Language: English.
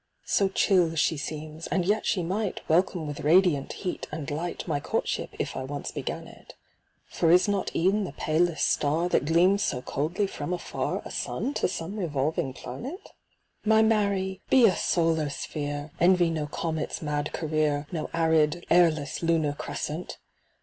So chill she seems — and yet she might Welcome with radiant heat and light My courtship, if I once began it ; For is not e'en the palest star That gleams so coldly from afar A sun to some revolving planet ? My Mary ! be a solar sphere ! Envy no comet's mad career, No arid, airless lunar crescent